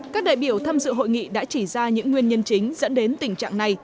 các đại biểu tham dự hội nghị đã chỉ ra những nguyên nhân chính dẫn đến tình trạng này